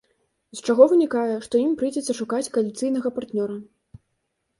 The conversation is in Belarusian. З чаго вынікае, што ім прыйдзецца шукаць кааліцыйнага партнёра.